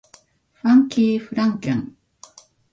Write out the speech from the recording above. ファンキーフランケン